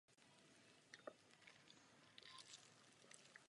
Druhým mýtem je mýtus o vymáhání.